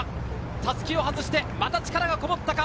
襷を外してまた力がこもったか。